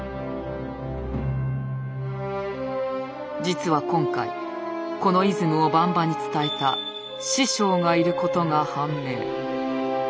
実は今回このイズムを番場に伝えた師匠がいることが判明。